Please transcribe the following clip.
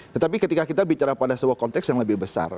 tetapi ketika kita bicara pada sebuah konteks yang lebih besar